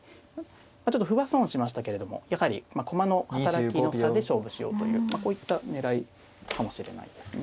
ちょっと歩は損しましたけれどもやはり駒の働きの差で勝負しようというまあこういった狙いかもしれないですね。